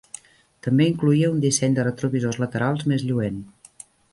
També incloïa un disseny de retrovisors laterals més lluent.